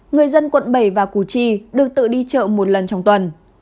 người dân quận bảy và củ chi được tự đi chợ một lần trong tuần